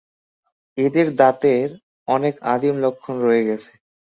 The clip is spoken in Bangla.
এদের দাঁতে অনেক আদিম লক্ষণ রয়ে গেছে।